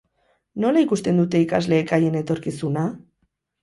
Nola ikusten dute ikasleek haien etorkizuna?